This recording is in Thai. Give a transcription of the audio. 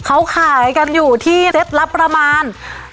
เขาขายกันอยู่ที่เล็ดลับประมาณ